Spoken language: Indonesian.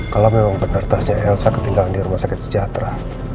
kalau memang benar tasnya elsa ketinggalan di rumah sakit sejahtera